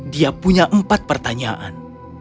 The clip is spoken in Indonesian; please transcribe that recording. dia punya empat pertanyaan